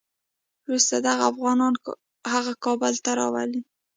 وروسته دغه افغانان هغه کابل ته راولي.